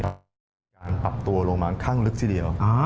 มีการปรับตัวลงมาข้างลึกทีเดียว